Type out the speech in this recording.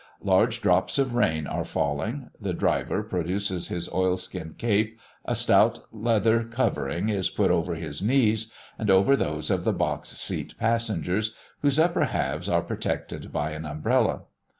Large drops of rain are falling. The driver produces his oilskin cape, a stout leather covering is put over his knees, and over those of the box seat passengers, whose upper halves are protected by an umbrella.